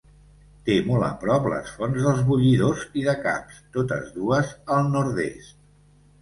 Té molt a prop les fonts dels Bullidors i de Caps, totes dues al nord-est.